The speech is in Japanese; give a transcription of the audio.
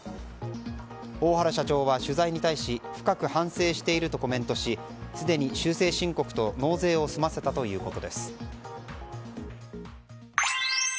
大原社長は取材に対し深く反省しているとコメントしすでに修正申告と納税を済ませたということです。